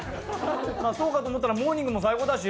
そうかと思ったらモーニングも最高だし？